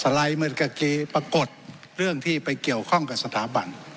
ไลค์เหมือนกับกี้ปรากฏเรื่องที่ไปเกี่ยวข้องกับสถาบัน